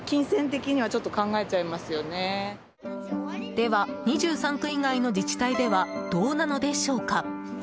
では、２３区以外の自治体ではどうなのでしょうか。